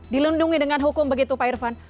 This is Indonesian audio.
dilindungi dengan hukum begitu pak irfan